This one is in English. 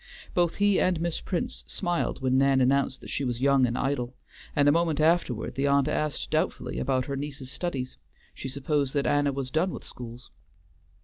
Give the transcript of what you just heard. Both he and Miss Prince smiled when Nan announced that she was young and idle, and a moment afterward the aunt asked doubtfully about her niece's studies; she supposed that Anna was done with schools.